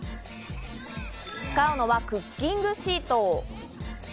使うのはクッキングシート。